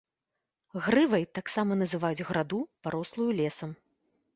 Грывай таксама называюць граду, парослую лесам.